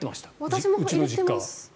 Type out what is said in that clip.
私も入れてます。